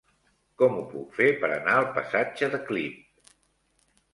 Com ho puc fer per anar al passatge de Clip?